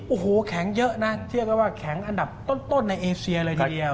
โอ้โหแข็งเยอะนะเทียบกันว่าแข็งอันดับต้นในเอเซียเลยทีเดียว